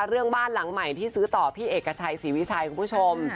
เรื่องบ้านหลังใหม่ที่ซื้อต่อพี่เอกชัยศรีวิชัยคุณผู้ชม